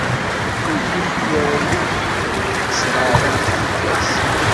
Ur yuki ara akk s leɛra n tfekka-s.